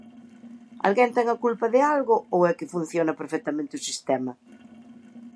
¿Alguén ten a culpa de algo ou é que funciona perfectamente o sistema?